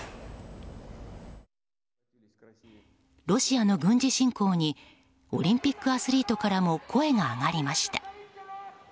ロシアの軍事侵攻にオリンピックアスリートからも声が上がりました。